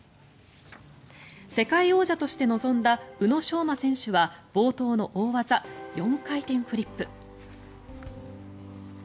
世界王者として臨んだ宇野昌磨選手は冒頭の大技、４回転フリップ。